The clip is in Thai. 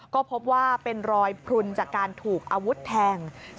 ก็พบว่าเป็นรอยพลุนจากการถูกอาวุธแทง